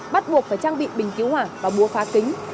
bắt buộc phải trang bị bình cứu hỏa và búa phá kính